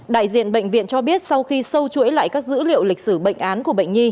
đại diện bệnh viện cho biết sau khi sâu chuỗi lại các dữ liệu lịch sử bệnh án của bệnh nhi